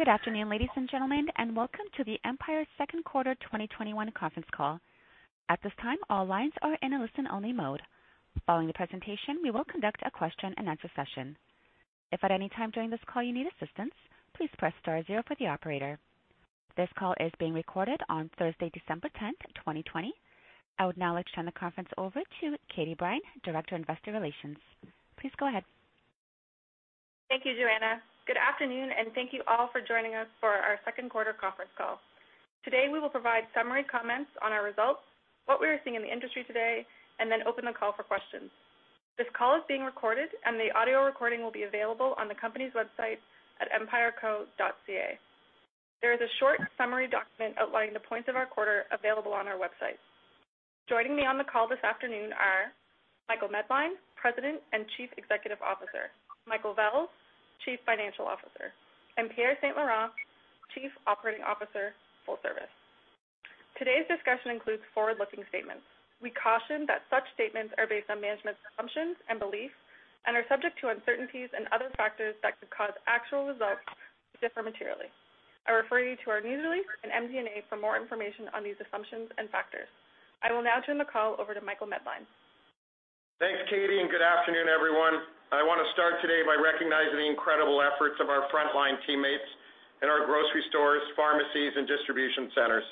Good afternoon, ladies and gentlemen, and welcome to the Empire second quarter 2021 conference call. This call is being recorded on Thursday, December 10, 2020. I would now like to turn the conference over to Katie Brine, Director of Investor Relations. Please go ahead. Thank you, Joanna. Good afternoon. Thank you all for joining us for our second quarter conference call. Today, we will provide summary comments on our results, what we are seeing in the industry today, and then open the call for questions. This call is being recorded, and the audio recording will be available on the company's website at empireco.ca. There is a short summary document outlining the points of our quarter available on our website. Joining me on the call this afternoon are Michael Medline, President and Chief Executive Officer, Michael Vels, Chief Financial Officer, and Pierre St-Laurent, Chief Operating Officer, Full Service. Today's discussion includes forward-looking statements. We caution that such statements are based on management's assumptions and beliefs and are subject to uncertainties and other factors that could cause actual results to differ materially. I refer you to our news release in MD&A for more information on these assumptions and factors. I will now turn the call over to Michael Medline. Thanks, Katie. Good afternoon, everyone. I want to start today by recognizing the incredible efforts of our frontline teammates in our grocery stores, pharmacies, and distribution centers.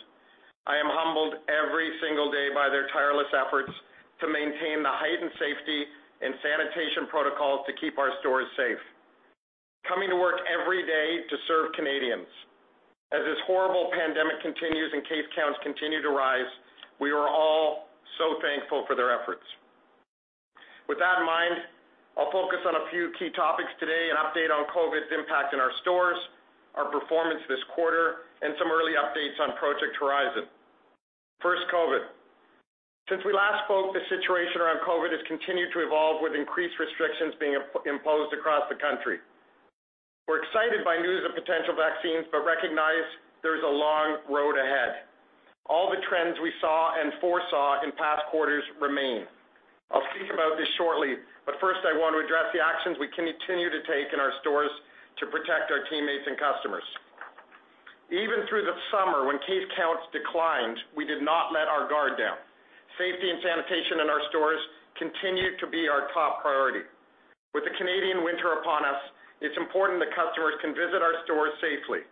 I am humbled every single day by their tireless efforts to maintain the heightened safety and sanitation protocols to keep our stores safe, coming to work every day to serve Canadians. As this horrible pandemic continues and case counts continue to rise, we are all so thankful for their efforts. With that in mind, I'll focus on a few key topics today and update on COVID's impact in our stores, our performance this quarter, and some early updates on Project Horizon. First, COVID. Since we last spoke, the situation around COVID has continued to evolve, with increased restrictions being imposed across the country. We're excited by news of potential vaccines but recognize there's a long road ahead. All the trends we saw and foresaw in past quarters remain. I'll speak about this shortly, but first I want to address the actions we continue to take in our stores to protect our teammates and customers. Even through the summer when case counts declined, we did not let our guard down. Safety and sanitation in our stores continued to be our top priority. With the Canadian winter upon us, it's important that customers can visit our stores safely.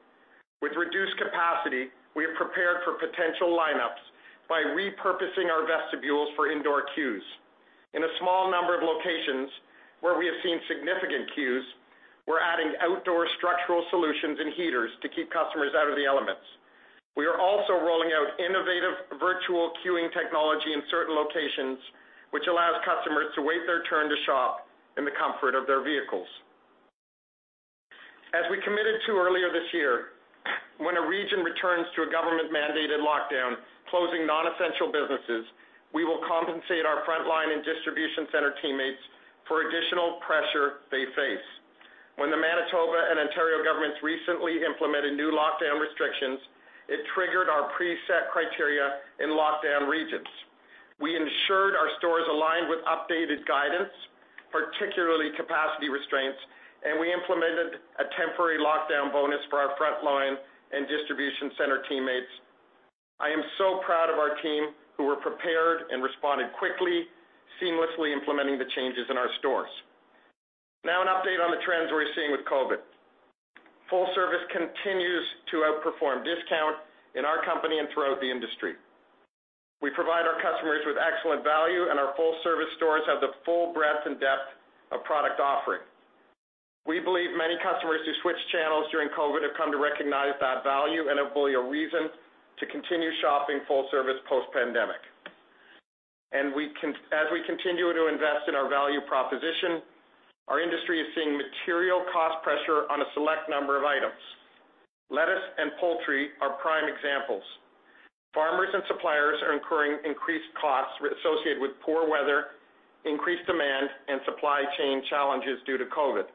With reduced capacity, we have prepared for potential lineups by repurposing our vestibules for indoor queues. In a small number of locations where we have seen significant queues, we're adding outdoor structural solutions and heaters to keep customers out of the elements. We are also rolling out innovative virtual queuing technology in certain locations, which allows customers to wait their turn to shop in the comfort of their vehicles. As we committed to earlier this year, when a region returns to a government-mandated lockdown, closing non-essential businesses, we will compensate our frontline and distribution center teammates for additional pressure they face. When the Manitoba and Ontario governments recently implemented new lockdown restrictions, it triggered our preset criteria in lockdown regions. We ensured our stores aligned with updated guidance, particularly capacity restraints, and we implemented a temporary lockdown bonus for our frontline and distribution center teammates. I am so proud of our team, who were prepared and responded quickly, seamlessly implementing the changes in our stores. Now, an update on the trends we're seeing with COVID. Full service continues to outperform discount in our company and throughout the industry. We provide our customers with excellent value, and our full-service stores have the full breadth and depth of product offering. We believe many customers who switched channels during COVID have come to recognize that value and have a reason to continue shopping full service post-pandemic. As we continue to invest in our value proposition, our industry is seeing material cost pressure on a select number of items. Lettuce and poultry are prime examples. Farmers and suppliers are incurring increased costs associated with poor weather, increased demand, and supply chain challenges due to COVID.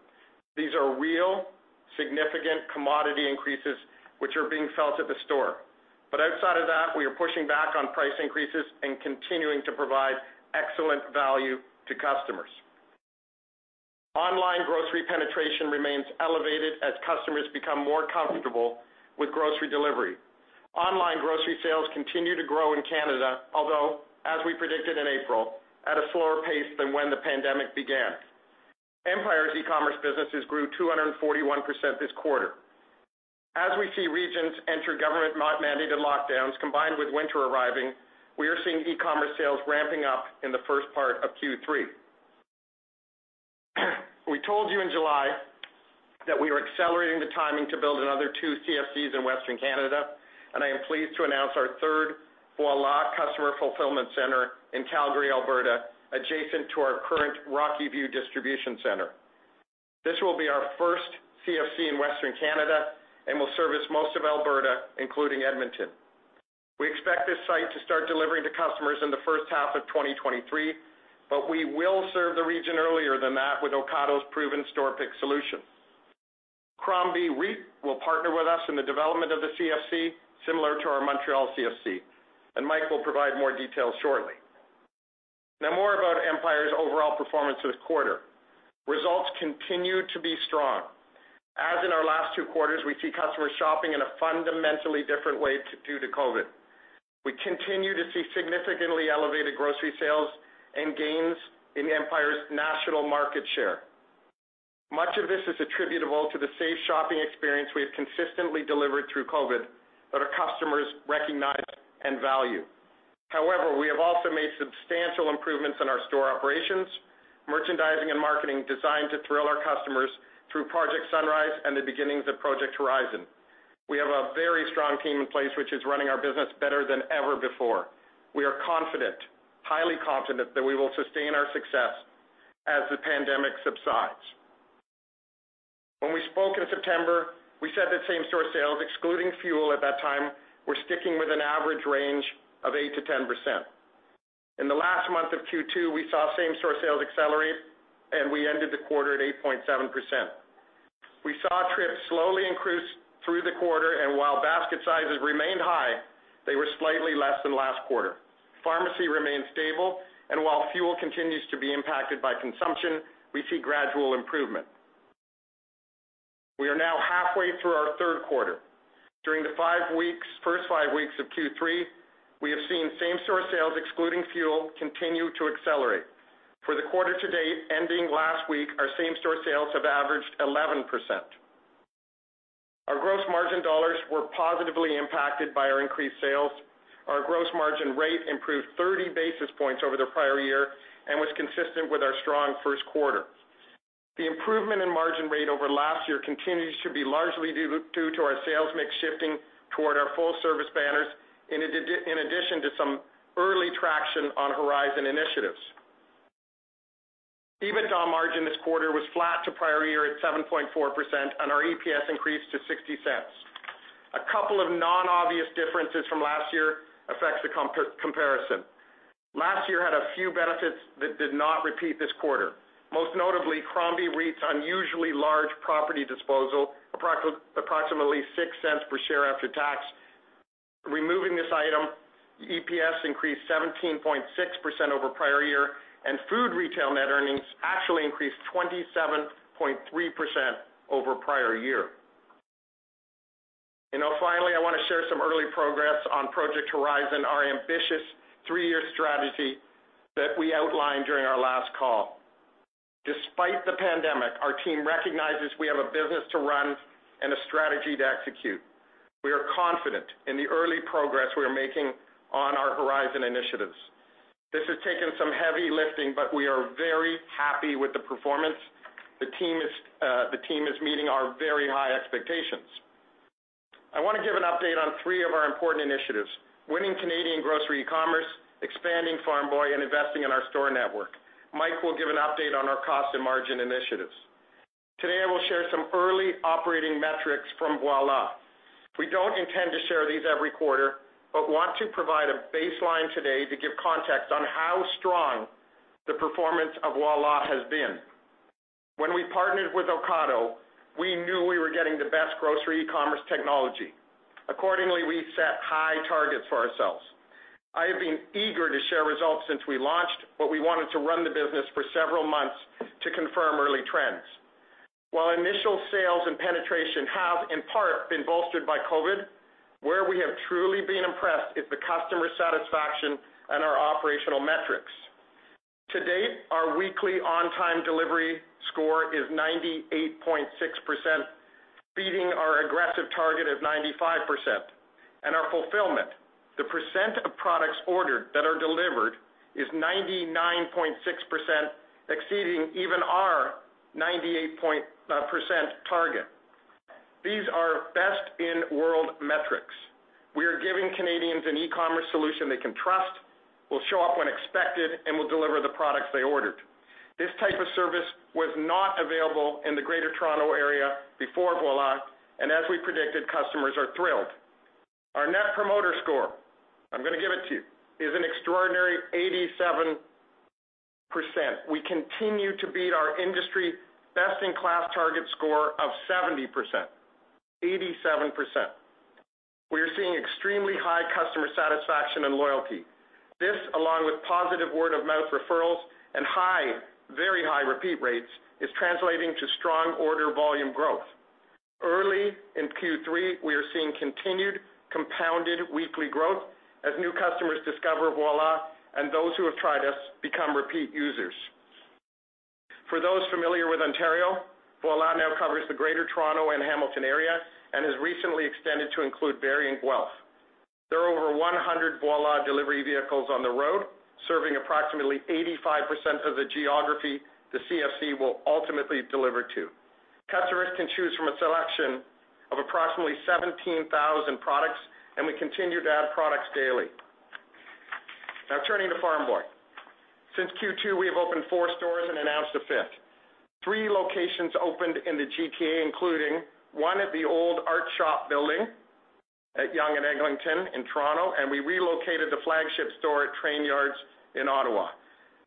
These are real, significant commodity increases, which are being felt at the store. Outside of that, we are pushing back on price increases and continuing to provide excellent value to customers. Online grocery penetration remains elevated as customers become more comfortable with grocery delivery. Online grocery sales continue to grow in Canada, although, as we predicted in April, at a slower pace than when the pandemic began. Empire's e-commerce businesses grew 241% this quarter. As we see regions enter government-mandated lockdowns, combined with winter arriving, we are seeing e-commerce sales ramping up in the first part of Q3. We told you in July that we were accelerating the timing to build another two CFCs in Western Canada. I am pleased to announce our third Voilà customer fulfillment center in Calgary, Alberta, adjacent to our current Rocky View Distribution Center. This will be our first CFC in Western Canada and will service most of Alberta, including Edmonton. We expect this site to start delivering to customers in the first half of 2023. We will serve the region earlier than that with Ocado's proven store pick solution. Crombie REIT will partner with us in the development of the CFC, similar to our Montreal CFC. Mike will provide more details shortly. Now more about Empire's overall performance this quarter. Results continue to be strong. As in our last two quarters, we see customers shopping in a fundamentally different way due to COVID. We continue to see significantly elevated grocery sales and gains in Empire's national market share. Much of this is attributable to the safe shopping experience we have consistently delivered through COVID that our customers recognize and value. However, we have also made substantial improvements in our store operations, merchandising and marketing designed to thrill our customers through Project Sunrise and the beginnings of Project Horizon. We have a very strong team in place which is running our business better than ever before. We are confident, highly confident, that we will sustain our success as the pandemic subsides. When we spoke in September, we said that same-store sales, excluding fuel at that time, were sticking with an average range of 8%-10%. In the last month of Q2, we saw same-store sales accelerate, and we ended the quarter at 8.7%. We saw trips slowly increase through the quarter, and while basket sizes remained high, they were slightly less than last quarter. Pharmacy remains stable, and while fuel continues to be impacted by consumption, we see gradual improvement. We are now halfway through our third quarter. During the first five weeks of Q3, we have seen same-store sales, excluding fuel, continue to accelerate. For the quarter to date, ending last week, our same-store sales have averaged 11%. Our gross margin dollars were positively impacted by our increased sales. Our gross margin rate improved 30 basis points over the prior year and was consistent with our strong first quarter. The improvement in margin rate over last year continues to be largely due to our sales mix shifting toward our full-service banners, in addition to some early traction on Project Horizon initiatives. EBITDA margin this quarter was flat to prior year at 7.4%. Our EPS increased to 0.60. A couple of non-obvious differences from last year affects the comparison. Last year had a few benefits that did not repeat this quarter. Most notably, Crombie REIT's unusually large property disposal, approximately 0.06 per share after tax. Removing this item, EPS increased 17.6% over prior year. Food retail net earnings actually increased 27.3% over prior year. Now finally, I want to share some early progress on Project Horizon, our ambitious three-year strategy that we outlined during our last call. Despite the pandemic, our team recognizes we have a business to run and a strategy to execute. We are confident in the early progress we are making on our Project Horizon initiatives. This has taken some heavy lifting, but we are very happy with the performance. The team is meeting our very high expectations. I want to give an update on three of our important initiatives: winning Canadian grocery commerce, expanding Farm Boy, and investing in our store network. Mike will give an update on our cost and margin initiatives. Today, I will share some early operating metrics from Voilà. We don't intend to share these every quarter, but want to provide a baseline today to give context on how strong the performance of Voilà has been. When we partnered with Ocado, we knew we were getting the best grocery e-commerce technology. Accordingly, we set high targets for ourselves. I have been eager to share results since we launched, but we wanted to run the business for several months to confirm early trends. While initial sales and penetration have, in part, been bolstered by COVID, where we have truly been impressed is the customer satisfaction and our operational metrics. To date, our weekly on-time delivery score is 98.6%, beating our aggressive target of 95%. Our fulfillment, the % of products ordered that are delivered, is 99.6%, exceeding even our 98% target. These are best-in-world metrics. We are giving Canadians an e-commerce solution they can trust, will show up when expected, and will deliver the products they ordered. This type of service was not available in the Greater Toronto Area before Voilà, and as we predicted, customers are thrilled. Our Net Promoter Score, I'm going to give it to you, is an extraordinary 87%. We continue to beat our industry best-in-class target score of 70%. 87%. We are seeing extremely high customer satisfaction and loyalty. This, along with positive word-of-mouth referrals and very high repeat rates, is translating to strong order volume growth. Early in Q3, we are seeing continued compounded weekly growth as new customers discover Voilà and those who have tried us become repeat users. For those familiar with Ontario, Voilà now covers the Greater Toronto and Hamilton area and has recently extended to include Barrie and Guelph. There are over 100 Voilà delivery vehicles on the road, serving approximately 85% of the geography the CFC will ultimately deliver to. Customers can choose from a selection of approximately 17,000 products, and we continue to add products daily. Now turning to Farm Boy. Since Q2, we have opened four stores and announced a fifth. Three locations opened in the GTA, including one at the old Art Shoppe building at Yonge and Eglinton in Toronto, and we relocated the flagship store at Trainyards in Ottawa.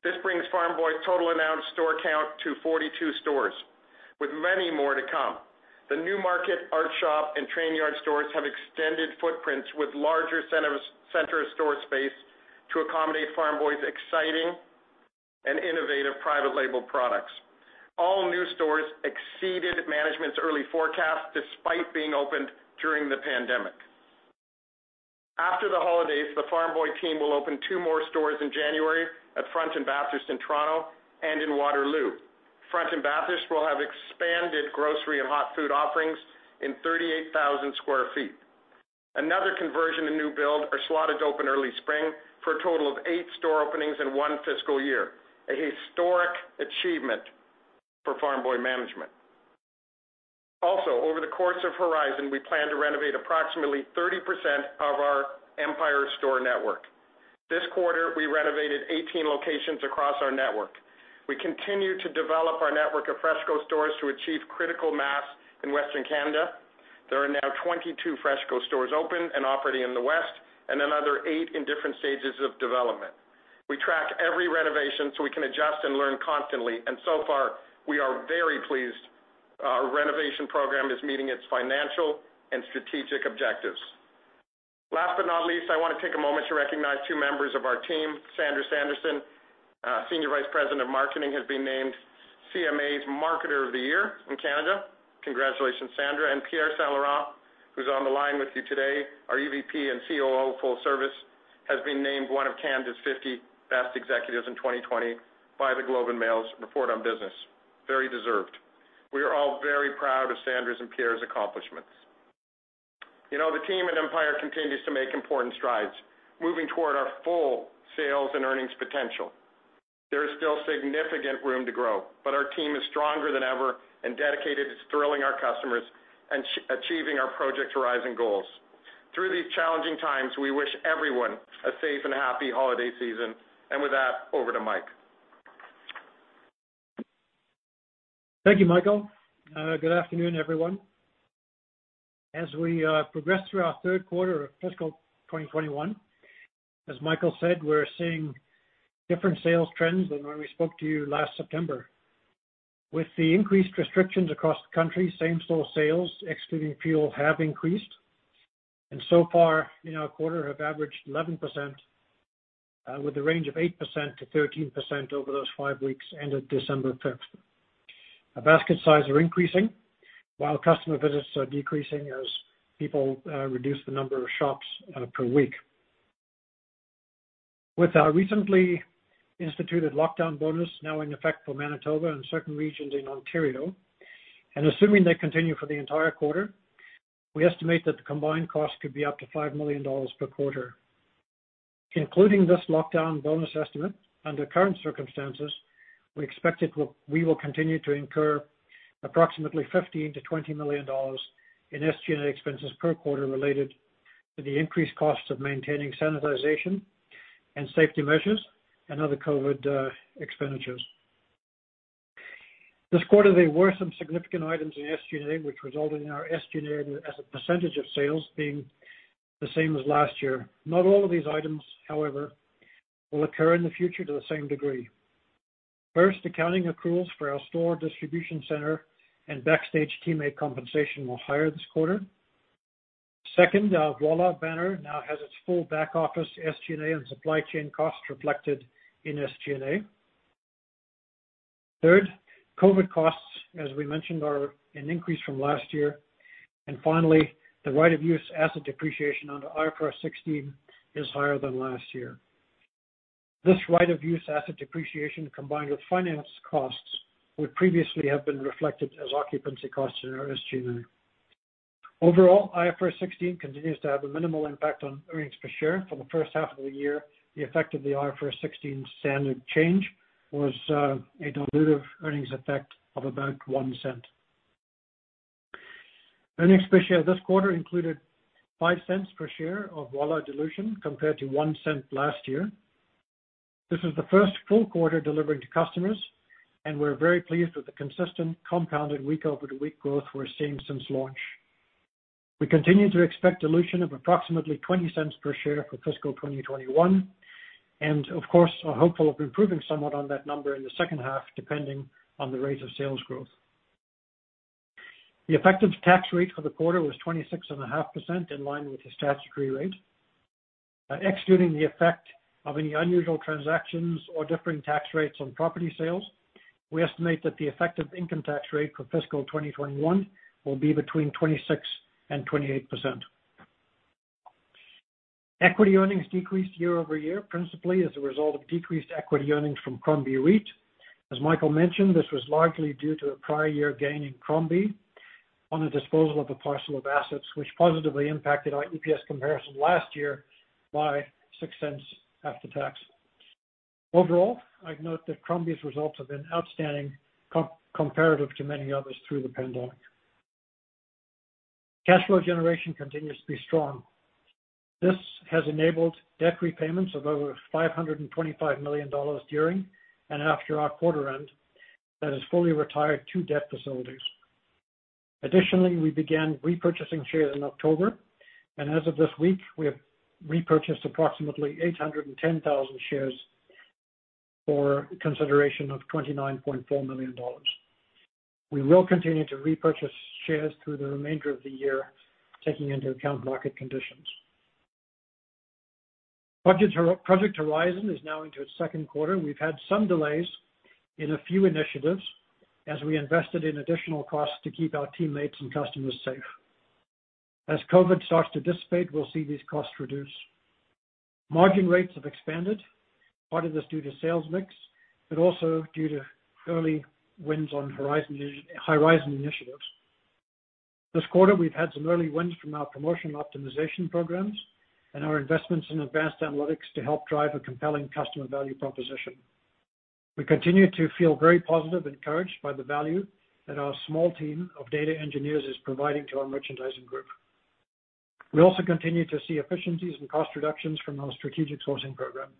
This brings Farm Boy's total announced store count to 42 stores. With many more to come. The new market Art Shoppe and Trainyards stores have extended footprints with larger center of store space to accommodate Farm Boy's exciting and innovative private label products. All new stores exceeded management's early forecast, despite being opened during the pandemic. After the holidays, the Farm Boy team will open two more stores in January at Front and Bathurst in Toronto and in Waterloo. Front and Bathurst will have expanded grocery and hot food offerings in 38,000 sq ft. Another conversion and new build are slotted to open early spring for a total of eight store openings in one fiscal year, a historic achievement for Farm Boy management. Also, over the course of Horizon, we plan to renovate approximately 30% of our Empire store network. This quarter, we renovated 18 locations across our network. We continue to develop our network of FreshCo stores to achieve critical mass in Western Canada. There are now 22 FreshCo stores open and operating in the west, and another 8 in different stages of development. We track every renovation so we can adjust and learn constantly, and so far, we are very pleased our renovation program is meeting its financial and strategic objectives. Last but not least, I want to take a moment to recognize two members of our team. Sandra Sanderson, Senior Vice President of Marketing, has been named CMA's Marketer of the Year in Canada. Congratulations, Sandra. Pierre St-Laurent, who's on the line with you today, our EVP and COO Full Service, has been named one of Canada's 50 best executives in 2020 by The Globe and Mail's Report on Business. Very deserved. We are all very proud of Sandra's and Pierre's accomplishments. The team at Empire continues to make important strides, moving toward our full sales and earnings potential. There is still significant room to grow, but our team is stronger than ever and dedicated to thrilling our customers and achieving our Project Horizon goals. Through these challenging times, we wish everyone a safe and happy holiday season. With that, over to Mike. Thank you, Michael. Good afternoon, everyone. As we progress through our third quarter of fiscal 2021, as Michael said, we're seeing different sales trends than when we spoke to you last September. With the increased restrictions across the country, same store sales, excluding fuel, have increased, and so far in our quarter have averaged 11%, with a range of 8%-13% over those five weeks ended December 5th. Our basket size are increasing while customer visits are decreasing as people reduce the number of shops per week. With our recently instituted lockdown bonus now in effect for Manitoba and certain regions in Ontario, and assuming they continue for the entire quarter, we estimate that the combined cost could be up to 5 million dollars per quarter. Including this lockdown bonus estimate, under current circumstances, we expect we will continue to incur approximately 15 million-20 million dollars in SG&A expenses per quarter related to the increased costs of maintaining sanitization and safety measures and other COVID expenditures. This quarter, there were some significant items in SG&A, which resulted in our SG&A as a percentage of sales being the same as last year. Not all of these items, however, will occur in the future to the same degree. First, accounting accruals for our store distribution center and backstage teammate compensation were higher this quarter. Second, our Voilà banner now has its full back-office SG&A and supply chain costs reflected in SG&A. Third, COVID costs, as we mentioned, are an increase from last year. Finally, the right-of-use asset depreciation under IFRS 16 is higher than last year. This right-of-use asset depreciation, combined with finance costs, would previously have been reflected as occupancy costs in our SG&A. Overall, IFRS 16 continues to have a minimal impact on earnings per share. For the first half of the year, the effect of the IFRS 16 standard change was a dilutive earnings effect of about 0.01. Earnings per share this quarter included 0.05 per share of Voilà dilution, compared to 0.01 last year. This is the first full quarter delivering to customers, and we're very pleased with the consistent compounded week-over-week growth we're seeing since launch. We continue to expect dilution of approximately 0.20 per share for fiscal 2021, and of course, are hopeful of improving somewhat on that number in the second half, depending on the rate of sales growth. The effective tax rate for the quarter was 26.5%, in line with the statutory rate. Excluding the effect of any unusual transactions or differing tax rates on property sales, we estimate that the effective income tax rate for fiscal 2021 will be between 26% and 28%. Equity earnings decreased year-over-year, principally as a result of decreased equity earnings from Crombie REIT. As Michael mentioned, this was largely due to a prior year gain in Crombie on the disposal of a parcel of assets, which positively impacted our EPS comparison last year by 0.06 after tax. Overall, I'd note that Crombie's results have been outstanding comparative to many others through the pandemic. Cash flow generation continues to be strong. This has enabled debt repayments of over 525 million dollars during and after our quarter end that has fully retired two debt facilities. Additionally, we began repurchasing shares in October, and as of this week, we have repurchased approximately 810,000 shares for consideration of 29.4 million dollars. We will continue to repurchase shares through the remainder of the year, taking into account market conditions. Project Horizon is now into its second quarter. We've had some delays in a few initiatives as we invested in additional costs to keep our teammates and customers safe. As COVID starts to dissipate, we'll see these costs reduce. Margin rates have expanded, part of this due to sales mix, but also due to early wins on Horizon initiatives. This quarter, we've had some early wins from our promotional optimization programs and our investments in advanced analytics to help drive a compelling customer value proposition. We continue to feel very positive and encouraged by the value that our small team of data engineers is providing to our merchandising group. We also continue to see efficiencies and cost reductions from our strategic sourcing program.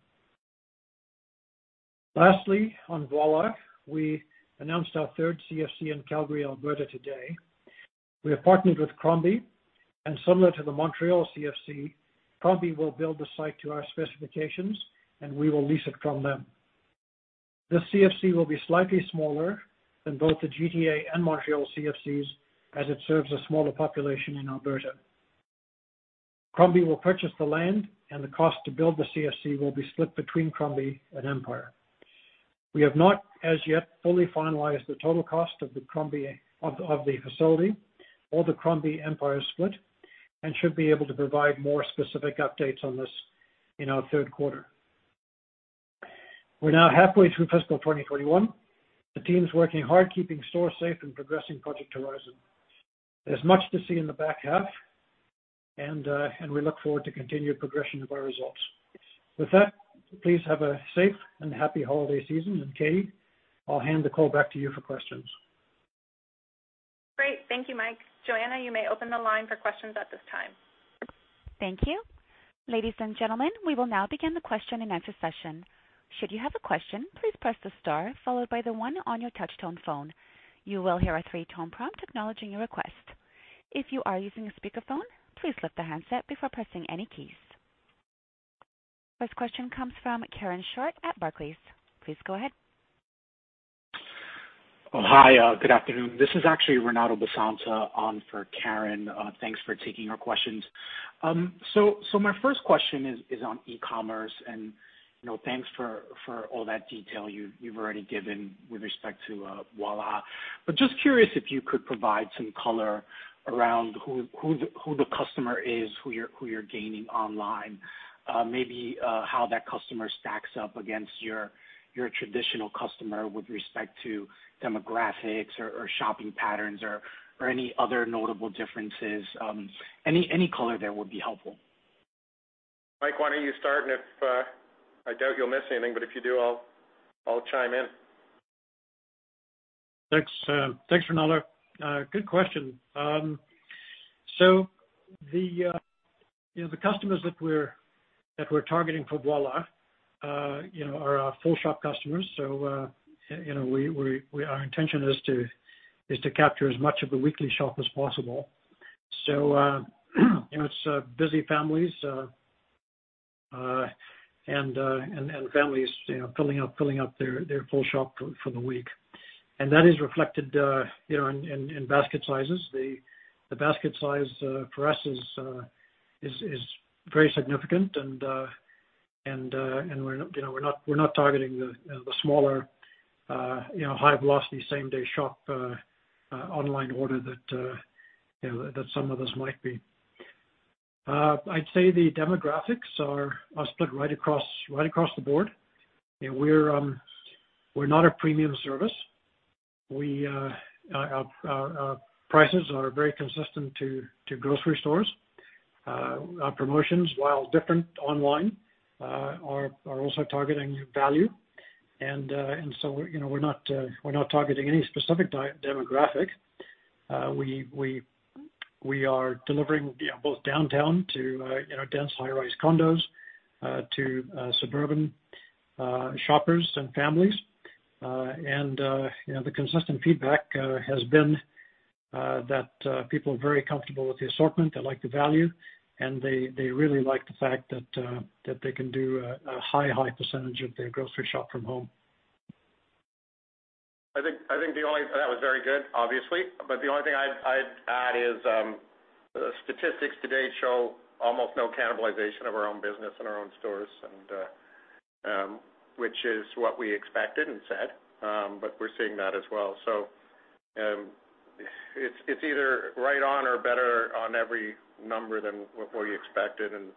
Lastly, on Voilà, we announced our third CFC in Calgary, Alberta today. We have partnered with Crombie, and similar to the Montreal CFC, Crombie will build the site to our specifications, and we will lease it from them. The CFC will be slightly smaller than both the GTA and Montreal CFCs, as it serves a smaller population in Alberta. Crombie will purchase the land, and the cost to build the CFC will be split between Crombie and Empire. We have not as yet fully finalized the total cost of the facility or the Crombie-Empire split and should be able to provide more specific updates on this in our third quarter. We're now halfway through fiscal 2021. The team's working hard keeping stores safe and progressing Project Horizon. There's much to see in the back half, and we look forward to continued progression of our results. With that, please have a safe and happy holiday season. Katie, I'll hand the call back to you for questions. Great. Thank you, Mike. Joanna, you may open the line for questions at this time. Thank you. Ladies and gentlemen, we will now begin the question-and-answer session. Should you have a question, please press the star followed by the one on your touchtone phone. You will hear a three-tone prompt acknowledging your request. If you are using a speakerphone, please lift the handset before pressing any keys. First question comes from Karen Short at Barclays. Please go ahead. Hi, good afternoon. This is actually Renato Basanta on for Karen. Thanks for taking our questions. My first question is on e-commerce, and thanks for all that detail you've already given with respect to Voilà. Just curious if you could provide some color around who the customer is who you're gaining online. Maybe how that customer stacks up against your traditional customer with respect to demographics or shopping patterns or any other notable differences. Any color there would be helpful. Mike, why don't you start. I doubt you'll miss anything. If you do, I'll chime in. Thanks, Renato. Good question. The customers that we're targeting for Voilà are our full shop customers. Our intention is to capture as much of the weekly shop as possible. It's busy families, and families filling up their full shop for the week. That is reflected in basket sizes. The basket size for us is very significant, and we're not targeting the smaller high velocity, same-day shop online order that some others might be. I'd say the demographics are split right across the board. We're not a premium service. Our prices are very consistent to grocery stores. Our promotions, while different online, are also targeting value. We're not targeting any specific demographic. We are delivering both downtown to dense high-rise condos, to suburban shoppers and families. The consistent feedback has been that people are very comfortable with the assortment, they like the value, and they really like the fact that they can do a high percentage of their grocery shop from home. The only thing I'd add is statistics to date show almost no cannibalization of our own business in our own stores, which is what we expected and said, but we're seeing that as well. It's either right on or better on every number than what we expected and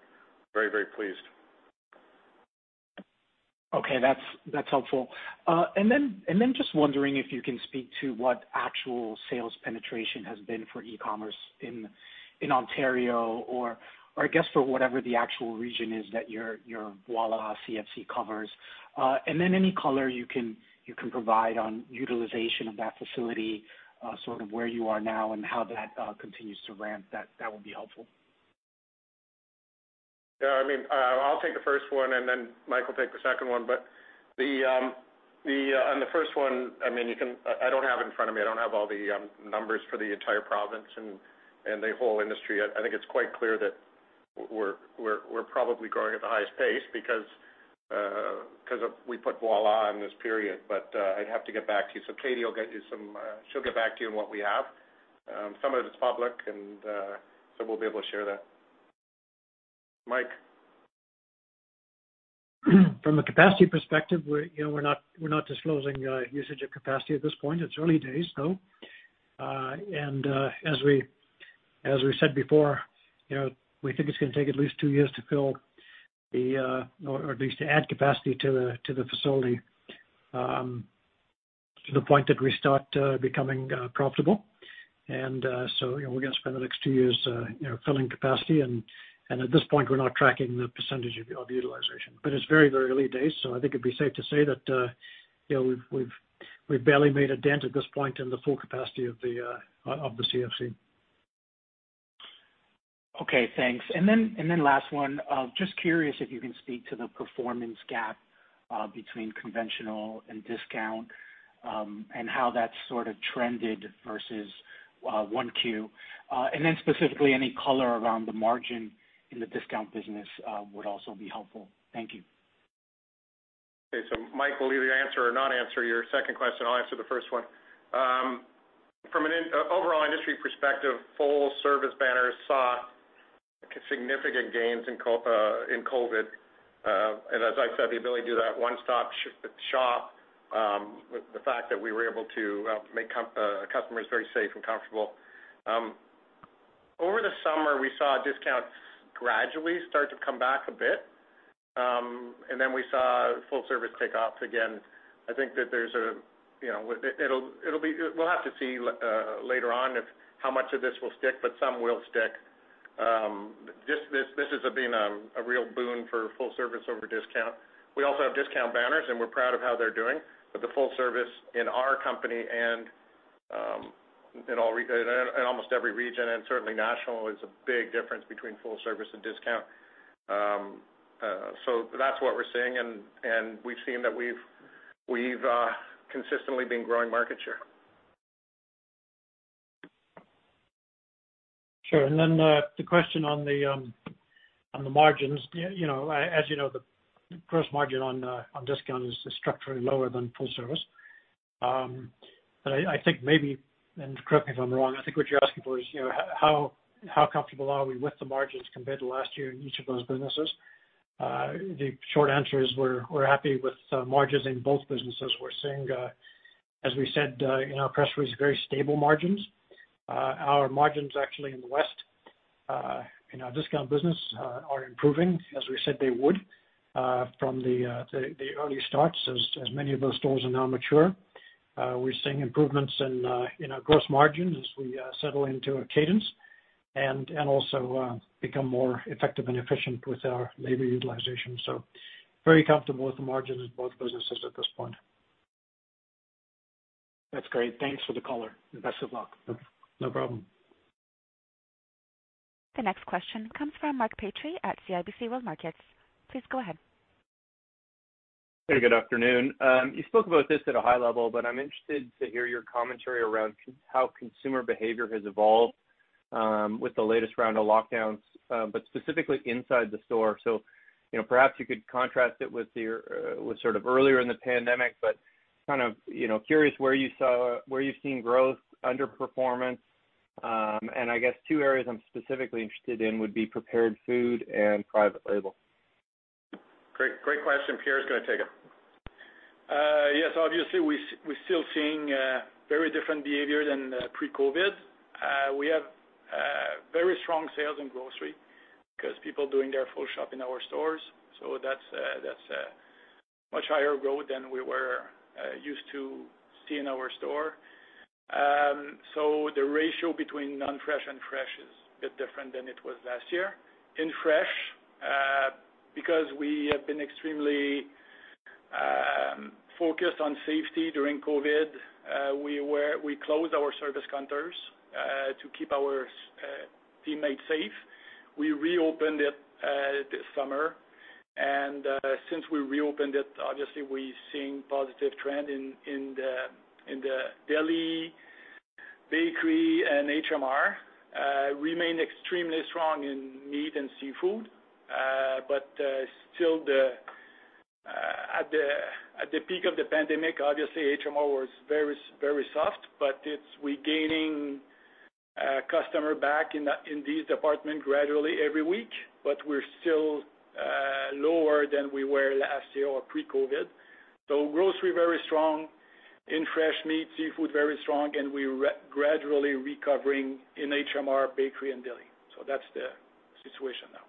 very pleased. Okay, that's helpful. Just wondering if you can speak to what actual sales penetration has been for e-commerce in Ontario or I guess for whatever the actual region is that your Voilà CFC covers? Any color you can provide on utilization of that facility, sort of where you are now and how that continues to ramp, that would be helpful. Yeah, I'll take the first one, and then Mike will take the second one. On the first one, I don't have it in front of me. I don't have all the numbers for the entire province and the whole industry yet. I think it's quite clear that we're probably growing at the highest pace because we put Voilà in this period. I'd have to get back to you. Katie, she'll get back to you on what we have. Some of it is public, and so we'll be able to share that. Mike? From a capacity perspective, we're not disclosing usage of capacity at this point. It's early days still. As we said before, we think it's going to take at least two years to fill or at least to add capacity to the facility to the point that we start becoming profitable. We're going to spend the next two years filling capacity, and at this point, we're not tracking the percentage of utilization. It's very early days, so I think it'd be safe to say that we've barely made a dent at this point in the full capacity of the CFC. Okay, thanks. last one, just curious if you can speak to the performance gap between conventional and discount, and how that's sort of trended versus 1Q. specifically, any color around the margin in the discount business would also be helpful. Thank you. Okay, Mike will either answer or not answer your second question. I'll answer the first one. From an overall industry perspective, full-service banners saw significant gains in COVID. as I said, the ability to do that one-stop shop, the fact that we were able to make customers very safe and comfortable. Over the summer, we saw discounts gradually start to come back a bit, and then we saw full service take off again. I think that we'll have to see later on how much of this will stick, but some will stick. This has been a real boon for full service over discount. We also have discount banners, and we're proud of how they're doing. the full service in our company and in almost every region, and certainly national, is a big difference between full service and discount. that's what we're seeing, and we've seen that we've consistently been growing market share. Sure. The question on the margins. As you know, the gross margin on discount is structurally lower than full service. I think maybe, and correct me if I'm wrong, I think what you're asking for is how comfortable are we with the margins compared to last year in each of those businesses? The short answer is we're happy with margins in both businesses. We're seeing, as we said in our press release, very stable margins. Our margins actually in the West, in our discount business, are improving, as we said they would from the early starts, as many of those stores are now mature. We're seeing improvements in our gross margins as we settle into a cadence and also become more effective and efficient with our labor utilization. very comfortable with the margins in both businesses at this point. That's great. Thanks for the color, and best of luck. No problem. The next question comes from Mark Petrie at CIBC World Markets. Please go ahead. Good afternoon. You spoke about this at a high level, but I'm interested to hear your commentary around how consumer behavior has evolved with the latest round of lockdowns, but specifically inside the store. Perhaps you could contrast it with sort of earlier in the pandemic, but kind of curious where you've seen growth, underperformance. I guess two areas I'm specifically interested in would be prepared food and private label. Great question. Pierre's going to take it. Yes, obviously, we're still seeing very different behavior than pre-COVID. We have very strong sales in grocery because people doing their full shop in our stores. That's much higher growth than we were used to seeing in our store. The ratio between non-fresh and fresh is a bit different than it was last year. In fresh, because we have been extremely focused on safety during COVID, we closed our service counters to keep our teammates safe. We reopened it this summer, and since we reopened it, obviously we're seeing positive trend in the deli, bakery, and HMR. Remain extremely strong in meat and seafood. Still, at the peak of the pandemic, obviously HMR was very soft, but we're gaining customer back in these departments gradually every week. We're still lower than we were last year or pre-COVID. Grocery, very strong. In fresh meat, seafood, very strong, and we're gradually recovering in HMR, bakery, and deli. that's the situation now.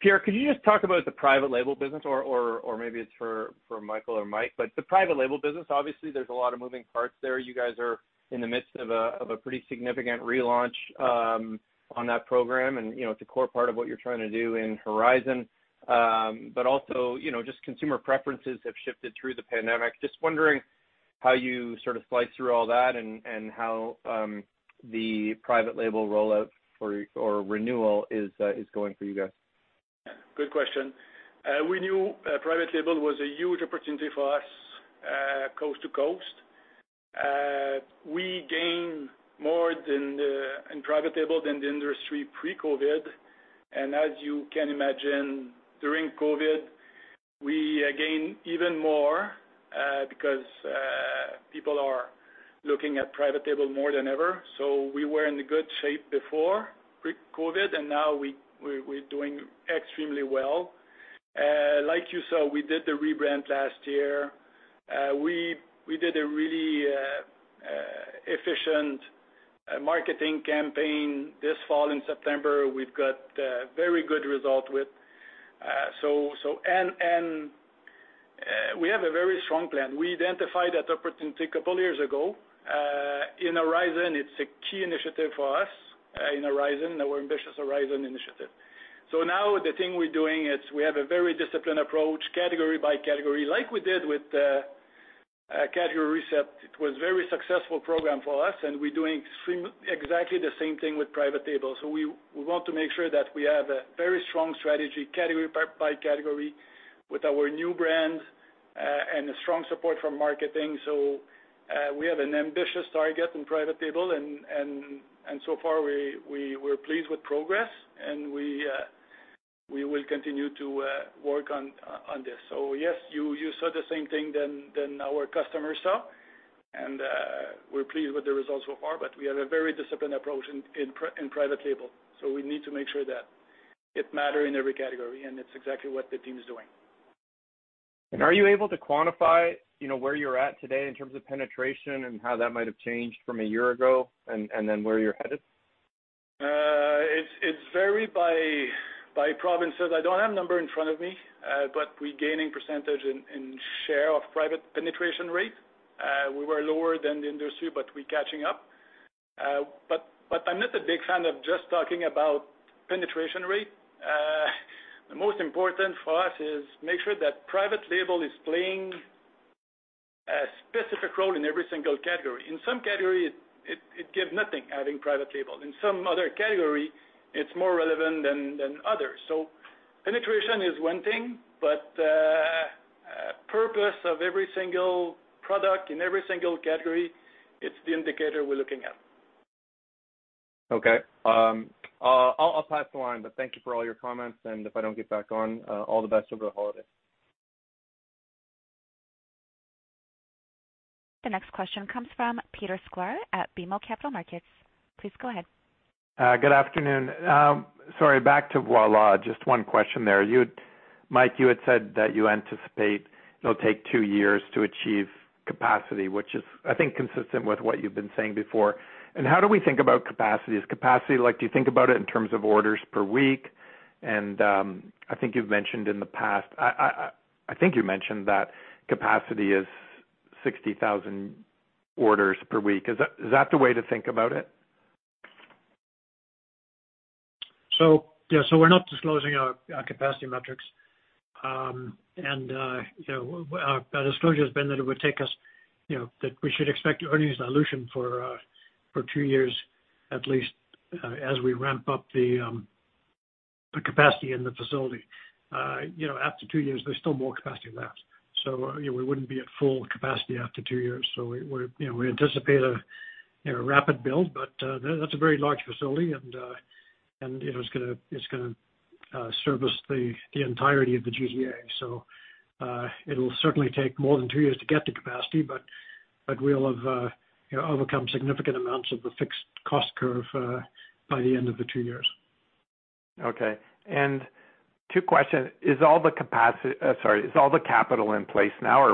Pierre, could you just talk about the private label business? Maybe it's for Michael or Mike, but the private label business, obviously there's a lot of moving parts there. You guys are in the midst of a pretty significant relaunch on that program, and it's a core part of what you're trying to do in Horizon. Also, just consumer preferences have shifted through the pandemic. Just wondering how you sort of slice through all that and how the private label rollout or renewal is going for you guys? Good question. We knew private label was a huge opportunity for us coast to coast. We gained more in private label than the industry pre-COVID. As you can imagine, during COVID, we gained even more, because people are looking at private label more than ever. We were in a good shape before pre-COVID, and now we're doing extremely well. Like you saw, we did the rebrand last year. We did a really efficient marketing campaign this fall in September, we've got very good result with. We have a very strong plan. We identified that opportunity a couple of years ago. In Horizon, it's a key initiative for us, our ambitious Horizon initiative. Now the thing we're doing is we have a very disciplined approach, category by category, like we did with category reset. It was very successful program for us, and we're doing exactly the same thing with private label. we want to make sure that we have a very strong strategy category by category with our new brand, and a strong support from marketing. we have an ambitious target in private label, and so far we're pleased with progress and we will continue to work on this. yes, you saw the same thing than our customers saw, and we're pleased with the results so far, but we have a very disciplined approach in private label. we need to make sure that it matter in every category, and it's exactly what the team is doing. Are you able to quantify where you're at today in terms of penetration and how that might have changed from a year ago, and then where you're headed? It varies by provinces. I don't have numbers in front of me, but we gaining percentage in share of private penetration rate. We were lower than the industry, but we catching up. I'm not a big fan of just talking about penetration rate. The most important for us is make sure that private label is playing a specific role in every single category. In some category, it gives nothing, having private label. In some other category, it's more relevant than others. penetration is one thing, but purpose of every single product in every single category, it's the indicator we're looking at. Okay. I'll pass the line, but thank you for all your comments and if I don't get back on, all the best over the holiday. The next question comes from Peter Sklar at BMO Capital Markets. Please go ahead. Good afternoon. Sorry, back to Voilà, just one question there. Mike, you had said that you anticipate it'll take two years to achieve capacity, which is I think consistent with what you've been saying before. How do we think about capacity? Is capacity like, do you think about it in terms of orders per week? I think you've mentioned in the past, I think you mentioned that capacity is 60,000 orders per week. Is that the way to think about it? yeah, so we're not disclosing our capacity metrics. Our disclosure has been that it would take us, that we should expect earnings dilution for two years at least, as we ramp up the capacity in the facility. After two years, there's still more capacity left. We wouldn't be at full capacity after two years. We anticipate a rapid build, but that's a very large facility and it's gonna service the entirety of the GTA. It'll certainly take more than two years to get to capacity, but we'll have overcome significant amounts of the fixed cost curve, by the end of the two years. Okay. two questions, is all the capital in place now, or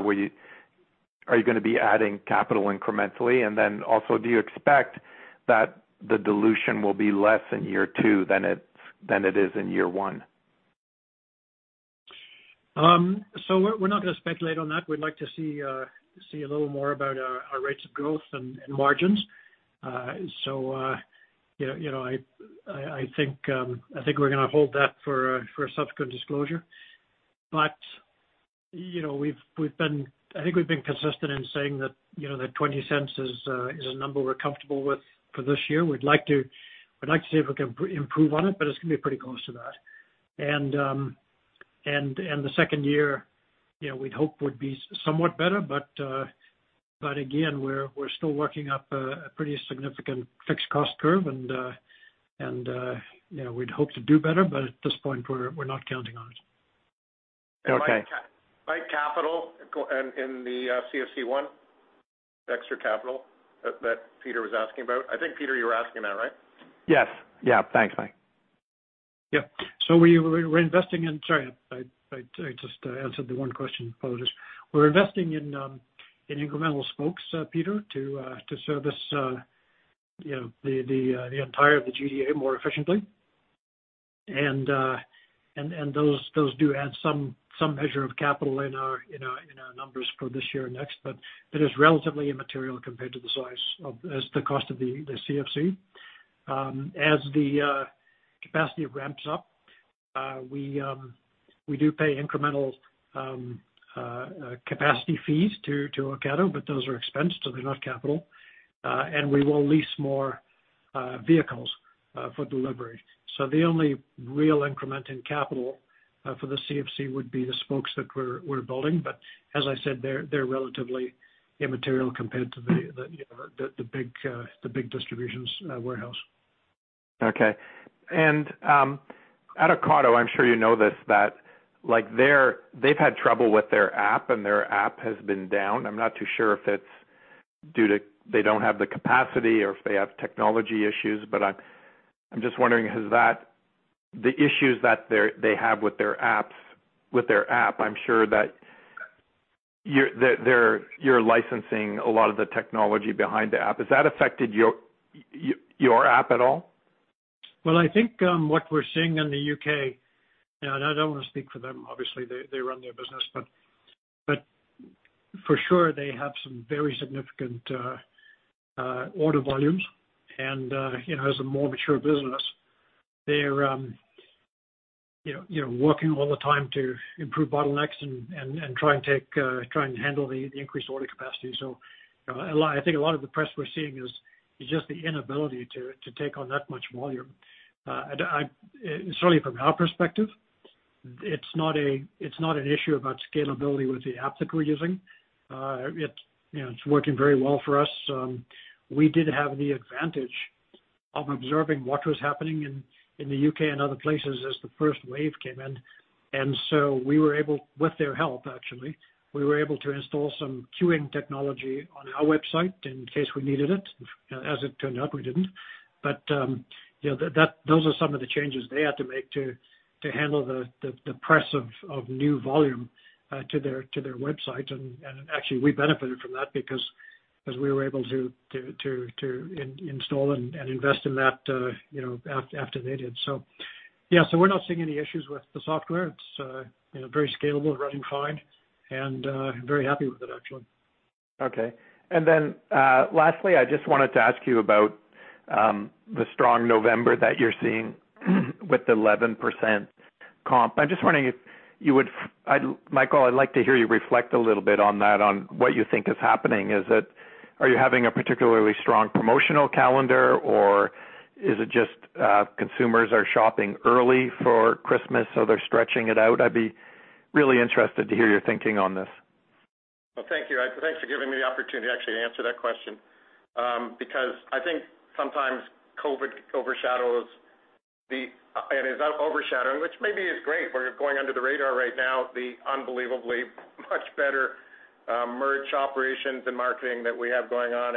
are you gonna be adding capital incrementally? then also, do you expect that the dilution will be less in year two than it is in year one? We're not gonna speculate on that. We'd like to see a little more about our rates of growth and margins. I think we're gonna hold that for a subsequent disclosure. I think we've been consistent in saying that 0.20 is a number we're comfortable with for this year. We'd like to see if we can improve on it, but it's gonna be pretty close to that. The second year, we'd hope would be somewhat better, but again, we're still working up a pretty significant fixed cost curve and we'd hope to do better, but at this point we're not counting on it. Okay. By capital in the CFC1, extra capital that Peter was asking about. I think Peter you were asking that, right? Yes. Yeah, thanks, Mike. We're investing in incremental spokes, Peter, to service the entire GTA more efficiently. Those do add some measure of capital in our numbers for this year and next. That is relatively immaterial compared to the size of, as the cost of the CFC. As the capacity ramps up. We do pay incremental capacity fees to Ocado, but those are expense, so they're not capital. We will lease more vehicles for delivery. The only real increment in capital for the CFC would be the spokes that we're building. As I said, they're relatively immaterial compared to the big distribution warehouse. Okay. At Ocado, I'm sure you know this, that they've had trouble with their app and their app has been down. I'm not too sure if it's due to they don't have the capacity or if they have technology issues, but I'm just wondering, the issues that they have with their app, I'm sure that you're licensing a lot of the technology behind the app. Has that affected your app at all? Well, I think what we're seeing in the U.K., and I don't want to speak for them, obviously they run their business, but for sure, they have some very significant order volumes. As a more mature business, they're working all the time to improve bottlenecks and try and handle the increased order capacity. I think a lot of the press we're seeing is just the inability to take on that much volume. Certainly from our perspective, it's not an issue about scalability with the app that we're using. It's working very well for us. We did have the advantage of observing what was happening in the U.K. and other places as the first wave came in, and so with their help, actually, we were able to install some queuing technology on our website in case we needed it. As it turned out, we didn't. those are some of the changes they had to make to handle the press of new volume to their website. actually, we benefited from that because we were able to install and invest in that after they did. yeah. we're not seeing any issues with the software. It's very scalable, running fine, and very happy with it, actually. Okay. Lastly, I just wanted to ask you about the strong November that you're seeing with 11% comp. I'm just wondering if you would, Michael, I'd like to hear you reflect a little bit on that, on what you think is happening. Are you having a particularly strong promotional calendar, or is it just consumers are shopping early for Christmas, so they're stretching it out? I'd be really interested to hear your thinking on this. Well, thank you. Thanks for giving me the opportunity, actually, to answer that question, because I think sometimes COVID overshadows, and is overshadowing, which maybe is great. We're going under the radar right now, the unbelievably much better merch operations and marketing that we have going on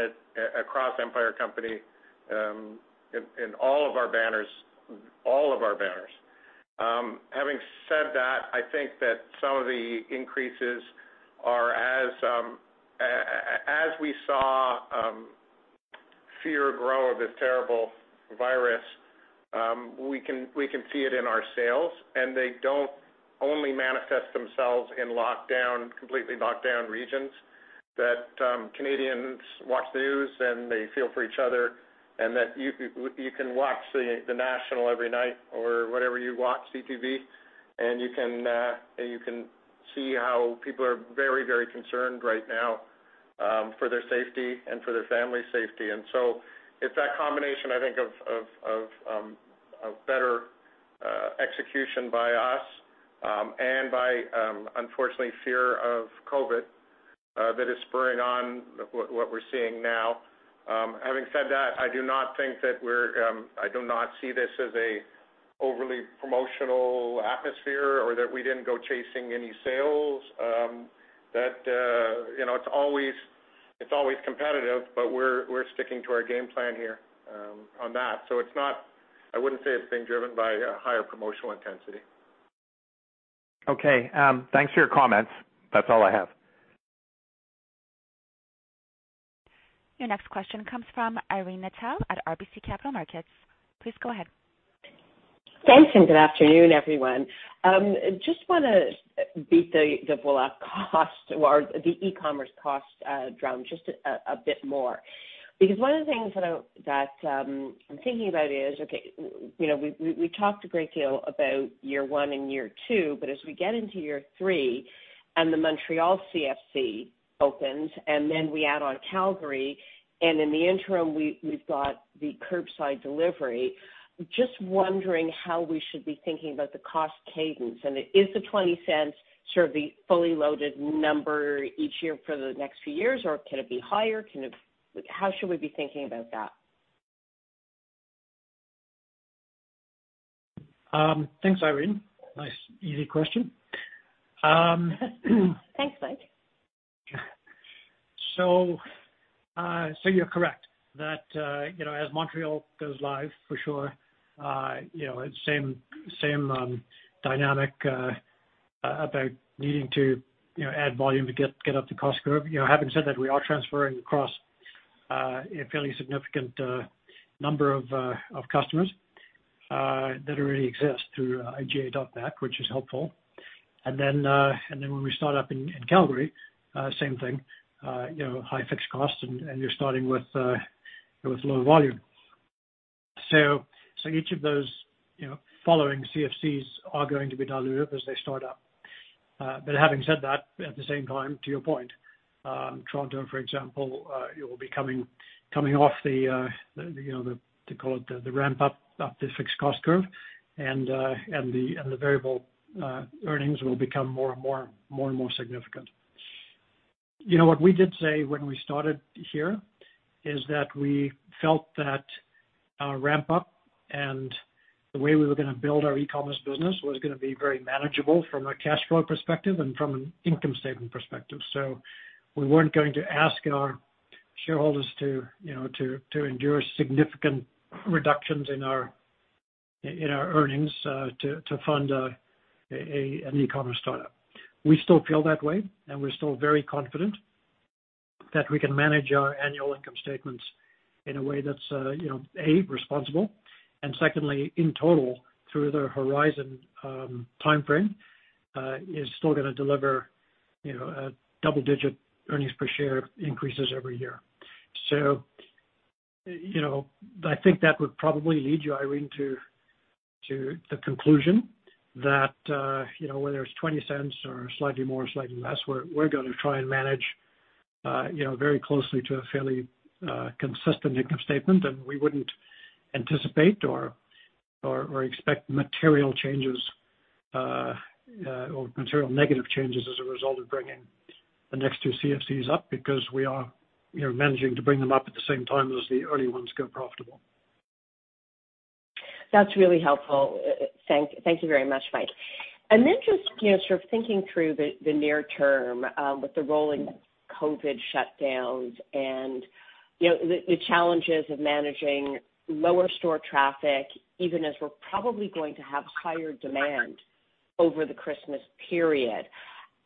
across Empire Company, in all of our banners. Having said that, I think that some of the increases are as we saw fear grow of this terrible virus, we can see it in our sales, and they don't only manifest themselves in completely lockdown regions, that Canadians watch the news, and they feel for each other, and that you can watch "The National" every night or whatever you watch, CTV, and you can see how people are very concerned right now for their safety and for their family's safety. it's that combination, I think of better execution by us and by, unfortunately, fear of COVID that is spurring on what we're seeing now. Having said that, I do not see this as a overly promotional atmosphere or that we didn't go chasing any sales. It's always competitive, but we're sticking to our game plan here on that. I wouldn't say it's being driven by a higher promotional intensity. Okay. Thanks for your comments. That's all I have. Your next question comes from Irene Nattel at RBC Capital Markets. Please go ahead. Thanks, and good afternoon, everyone. Just want to beat the Voilà cost or the e-commerce cost drum just a bit more. Because one of the things that I'm thinking about is, okay, we talked a great deal about year one and year two, but as we get into year three and the Montreal CFC opens, and then we add on Calgary, and in the interim, we've got the curbside delivery, just wondering how we should be thinking about the cost cadence, and is the 0.20 sort of the fully loaded number each year for the next few years, or could it be higher? How should we be thinking about that? Thanks, Irene. Nice easy question. Thanks, Mike. You're correct that as Montreal goes live for sure, same dynamic about needing to add volume to get up the cost curve. Having said that, we are transferring across a fairly significant number of customers that already exist through iga.net, which is helpful. when we start up in Calgary, same thing, high fixed costs and you're starting with low volume. Each of those following CFCs are going to be diluted as they start up. Having said that, at the same time, to your point, Toronto, for example, it will be coming off the, they call it the ramp-up the fixed cost curve and the variable earnings will become more and more significant. What we did say when we started here is that we felt that our ramp-up and the way we were gonna build our e-commerce business was gonna be very manageable from a cash flow perspective and from an income statement perspective. We weren't going to ask our shareholders to endure significant reductions in our earnings to fund an e-commerce startup. We still feel that way, and we're still very confident that we can manage our annual income statements in a way that's, A, responsible, and secondly, in total, through the horizon timeframe, is still gonna deliver double-digit earnings per share increases every year. I think that would probably lead you, Irene, to the conclusion that whether it's 0.20 or slightly more, slightly less, we're gonna try and manage very closely to a fairly consistent income statement and we wouldn't anticipate or expect material changes or material negative changes as a result of bringing the next two CFCs up because we are managing to bring them up at the same time as the early ones go profitable. That's really helpful. Thank you very much, Mike. just sort of thinking through the near term, with the rolling COVID shutdowns and the challenges of managing lower store traffic, even as we're probably going to have higher demand over the Christmas period.